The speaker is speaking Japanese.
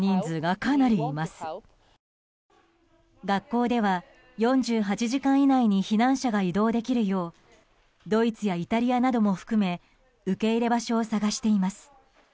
学校では４８時間以内に避難者が移動できるようドイツやイタリアなども含め受け入れ場所を探しています。